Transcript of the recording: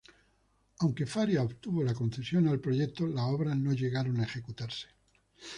Aunque Faria obtuvo la concesión al proyecto, las obras no llegaron a ejecutarse.